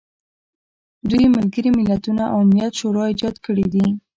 دوی ملګري ملتونه او امنیت شورا ایجاد کړي دي.